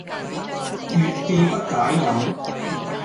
月既不解飲，